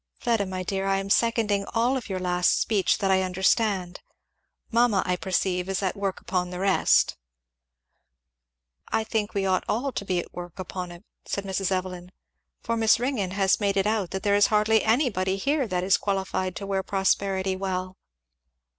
Fleda my dear, I am seconding all of your last speech that I understand. Mamma, I perceive, is at work upon the rest." "I think we ought all to be at work upon it," said Mrs. Evelyn, "for Miss Ringgan has made it out that there is hardly anybody here that is qualified to wear prosperity well."